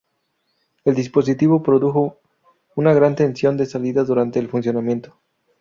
El dispositivo produjo una gran tensión de salida durante el funcionamiento.